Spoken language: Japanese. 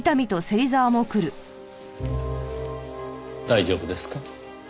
大丈夫ですか？